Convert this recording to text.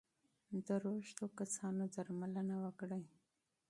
د روږدو کسانو درملنه وکړئ.